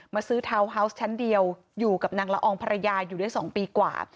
ซื้อทาวน์ฮาวส์ชั้นเดียวอยู่กับนางละอองภรรยาอยู่ได้๒ปีกว่า